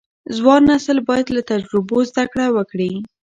ځوان نسل باید له تجربو زده کړه وکړي.